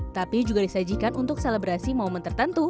tapi juga disajikan untuk selebrasi momen tertentu